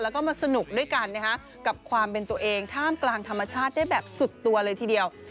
แล้วก็มาสนุกด้วยกันนะฮะกับความเป็นตัวเองท่ามกลางธรรมชาติได้แบบสุดตัวเลยทีเดียว